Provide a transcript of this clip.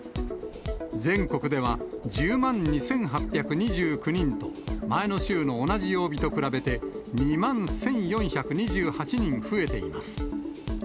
全国では１０万２８２９人と、前の週の同じ曜日と比べて２万１４２８人増えています。